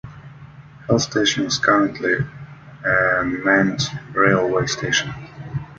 Hell Station is currently a manned railway station.